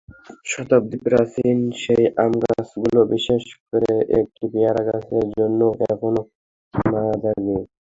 শতাব্দীপ্রাচীন সেই আমগাছগুলো, বিশেষ করে একটি পেয়ারাগাছের জন্য এখনো মায়া জাগে।